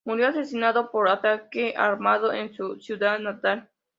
Murió asesinado por ataque armado en su ciudad natal.